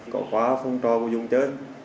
có quá phong trò của dùng chơi